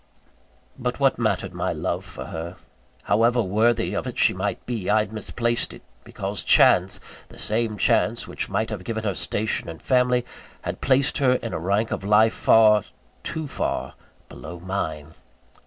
But what mattered my love for her? However worthy of it she might be, I had misplaced it, because chance the same chance which might have given her station and family had placed her in a rank of life far too far below mine.